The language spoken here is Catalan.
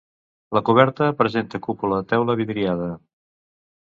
La coberta presenta cúpula de teula vidriada.